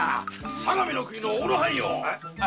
相模の大野藩よ